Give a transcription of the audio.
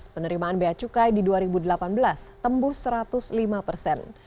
penerimaan bea cukai di dua ribu delapan belas tembus satu ratus lima persen